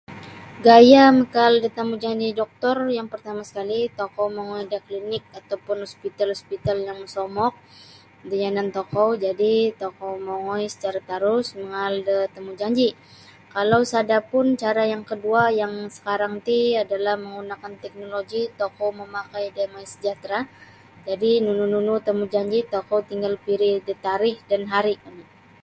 Gaya' makaaal da tamujanji doktor yang partama sakali' tokou mongoi da klinik atau pun hospital- hospital yang mosomok da yanan tokou jadi' tokou mongoi sacara tarus mangaal da tamujanji'. Kalau sada' pun cara yang kadua' yang sakarang ti adalah manggunakan teknoloji tokou mamakai da mysejahtera jadi' nunu-nunu tamujanji' tokou tinggal pilih da tarikh dan hari' oni'.